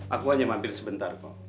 aku hanya mampir sebentar kok